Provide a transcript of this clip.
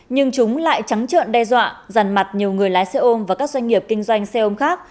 nhưng chúng lại trắng trợn đe dọa dàn mặt nhiều người lái xe ôm và các doanh nghiệp kinh doanh xe ôm khác